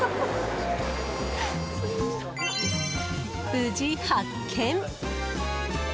無事発見！